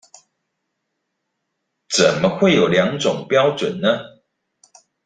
怎麼會有兩種標準呢？